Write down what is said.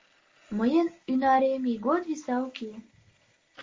Мыйын ӱнарем ийгот виса уке.